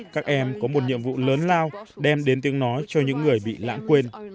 các em có một nhiệm vụ lớn lao đem đến tiếng nói cho những người bị lãng quên